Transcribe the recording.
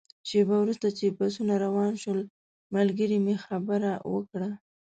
شېبه وروسته چې بسونه روان شول، ملګري مې خبره وکړه.